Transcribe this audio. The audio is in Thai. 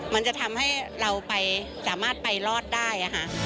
มันจะทำให้เราสามารถไปรอดได้